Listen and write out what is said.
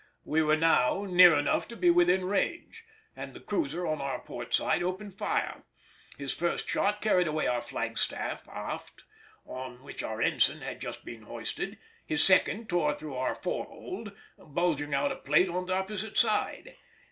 We were now near enough to be within range, and the cruiser on our port side opened fire; his first shot carried away our flagstaff aft on which our ensign had just been hoisted; his second tore through our forehold, bulging out a plate on the opposite side.